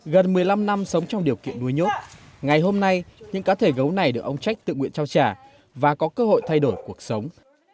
gần một mươi năm năm sống trong điều kiện nuôi nhốt ngày hôm nay những cá thể gấu này được ông trách tự nguyện trao trả và có cơ hội thay đổi cuộc sống